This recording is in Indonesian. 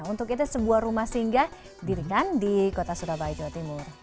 untuk itu sebuah rumah singga di rindang di kota surabaya jawa timur